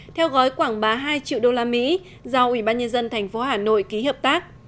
theo gói quảng bá hai triệu đô la mỹ do ủy ban nhân dân tp hà nội ký hợp tác